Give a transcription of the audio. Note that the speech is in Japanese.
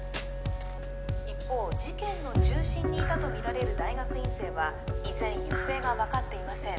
一方事件の中心にいたとみられる大学院生は依然行方が分かっていません